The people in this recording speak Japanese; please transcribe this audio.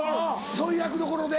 そういう役どころで。